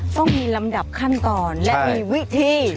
ต้องมีลำดับขั้นตอนและมีวิธี